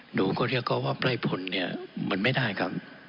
หนูก็เรียกเขาว่าไร่ผลเนี่ยมันไม่ได้ครับ